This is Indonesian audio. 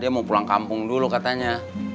dia mau pulang kampung dulu katanya